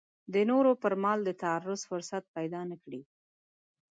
د نورو پر مال د تعرض فرصت پیدا نه کړي.